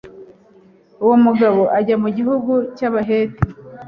uwo mugabo ajya mu gihugu cy'abaheti